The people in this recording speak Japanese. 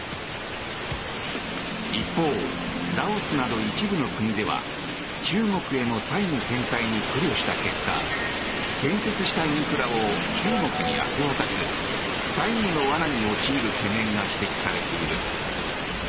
一方、ラオスなど一部の国では中国への債務返済に苦慮した結果建設したインフラを中国に明け渡す債務の罠に陥る懸念が指摘されている。